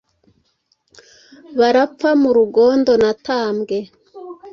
barapfa mu rugondo na tambwe